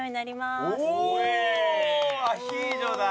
アヒージョだ。